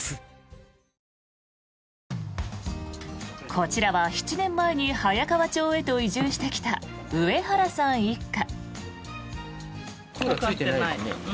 こちらは７年前に早川町へと移住してきた上原さん一家。